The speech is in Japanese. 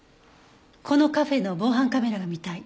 このカフェの防犯カメラが見たい。